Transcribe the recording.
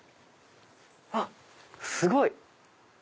あっすごい！